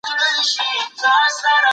د مغولو زړه له اسلام سره وتړل سو.